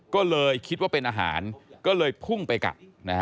ก็เลยคิดว่าเป็นอาหารก็เลยพุ่งไปกัดนะฮะ